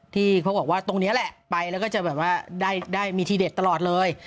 ที่เขาบอกว่าตรงนี้แหละไปแล้วก็จะแบบว่าได้มีทีเด็ดตลอดเลย